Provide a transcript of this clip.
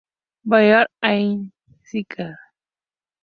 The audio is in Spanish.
Ballard e Iain Sinclair.